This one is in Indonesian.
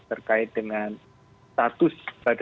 terkait dengan status badan usaha mereka dan lain sebagainya